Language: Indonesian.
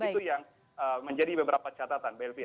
itu yang menjadi beberapa catatan belvira